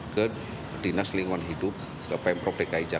ketika dianggap tidak melakukan uji emisi kemudian dianggap tidak dikendalikan